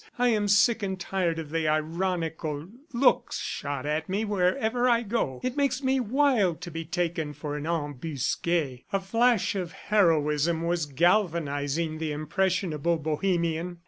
I am sick and tired of the ironical looks shot at me wherever I go; it makes me wild to be taken for an Embusque." A flash of heroism was galvanizing the impressionable Bohemian.